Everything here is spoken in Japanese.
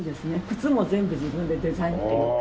靴も全部自分でデザインっていうか。